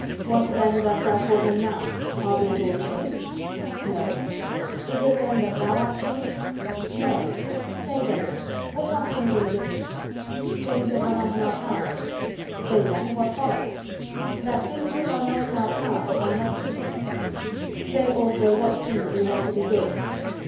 "What then dost thou call them now? Are they at all changed?" "No." "Is it then thou that art changed?" "No." "Say then, what are things indifferent?" "Things that are not in our power." "Say then, what follows?" "That things which are not in our power are nothing to me." "Say also what things you hold to be good."